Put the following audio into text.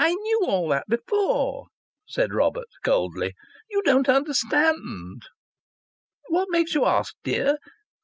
"I knew all that before," said Robert, coldly. "You don't understand." "What makes you ask, dear?